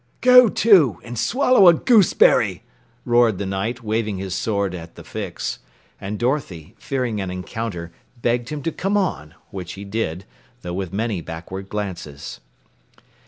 "Go to, and swallow a gooseberry!" roared the Knight, waving his sword at the Fix, and Dorothy, fearing an encounter, begged him to come on, which he did though with many backward glances.